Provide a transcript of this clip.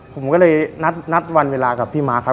ผมก็เลยนัดวันเวลากับพี่ม้าครับ